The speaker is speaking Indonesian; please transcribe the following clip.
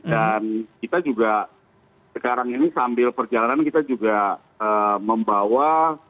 dan kita juga sekarang ini sambil perjalanan kita juga membawa